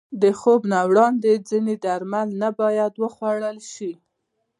د خوب نه وړاندې ځینې درمل نه باید وخوړل شي.